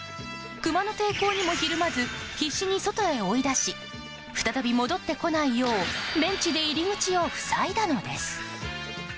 クマの抵抗にもひるまず必死に外へ追い出し再び戻ってこないようベンチで入り口を塞いだのです。